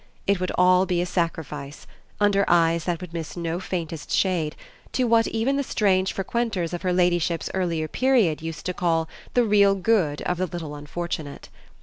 It would all be a sacrifice under eyes that would miss no faintest shade to what even the strange frequenters of her ladyship's earlier period used to call the real good of the little unfortunate.